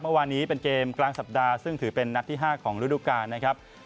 เมื่อวานนี้เป็นเกมกลางสัปดาห์ซึ่งถือเป็นนัดที่๕ของฤดูกาลนะครับ